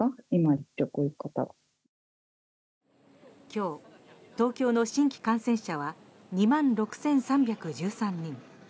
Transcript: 今日、東京の新規感染者は２万６３１３人。